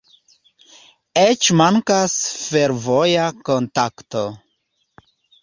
Eĉ mankas fervoja kontakto.